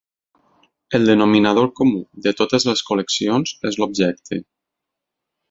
El denominador comú de totes les col·leccions és l’objecte.